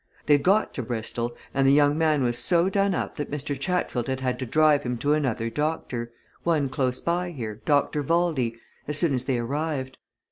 They'd got to Bristol and the young man was so done up that Mr. Chatfield had had to drive him to another doctor one close by here Dr. Valdey as soon as they arrived.